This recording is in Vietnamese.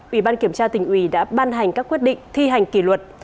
ủy ban kiểm tra tỉnh ủy đã ban hành các quyết định thi hành kỷ luật